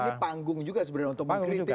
ini panggung juga sebenarnya untuk mengkritik